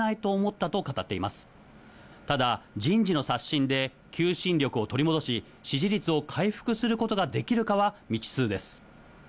ただ、人事の刷新で求心力を取り戻し、支持率を回復することができるかは未知数です。